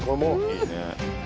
いいね。